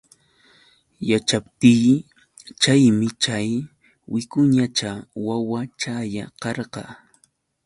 Yaćhaptiy chaymi chay wicuñacha wawachalla karqa.